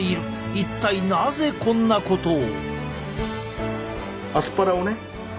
一体なぜこんなことを？